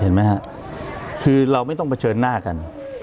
เห็นไหมฮะคือเราไม่ต้องเผชิญหน้ากัน